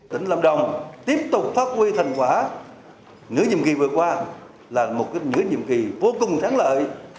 tỉnh lâm đồng tiếp tục phát huy thành quả nửa nhiệm kỳ vừa qua là một nửa nhiệm kỳ vô cùng thắng lợi